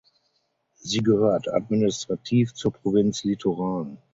Sie gehört administrativ zur Provinz Litoral.